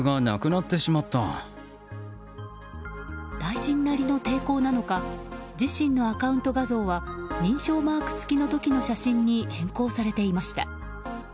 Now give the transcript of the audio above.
大臣なりの抵抗なのか自身のアカウント画像は認証マーク付きの時の写真に変更されていました。